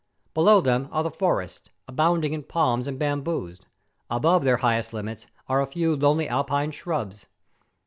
Below them are the forests, abounding in palms and bamboos; above their highest limits are a few lonely Alpine shrubs.